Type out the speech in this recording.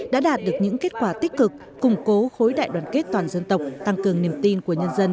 đã đạt được những kết quả tích cực củng cố khối đại đoàn kết toàn dân tộc tăng cường niềm tin của nhân dân